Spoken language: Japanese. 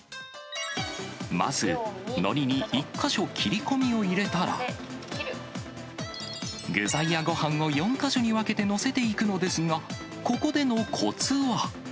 まず、のりに１か所切り込みを入れたら、具材やごはんを４か所に分けて載せていくのですが、ここでのこつは。